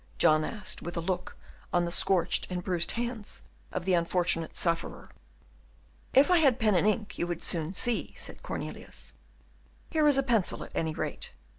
John asked, with a look on the scorched and bruised hands of the unfortunate sufferer. "If I had pen and ink you would soon see," said Cornelius. "Here is a pencil, at any rate."